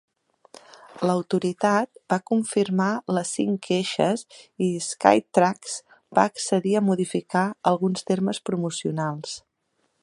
L'autoritat va confirmar les cinc queixes i Skytrax va accedir a modificar alguns termes promocionals.